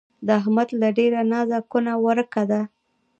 د احمد له ډېره نازه کونه ورکه ده.